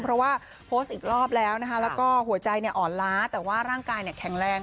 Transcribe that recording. เพราะว่าโพสต์อีกรอบแล้วนะคะแล้วก็หัวใจอ่อนล้าแต่ว่าร่างกายแข็งแรง